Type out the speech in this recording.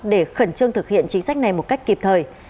để khẩn trương thực hiện chính sách này một cách kịp thời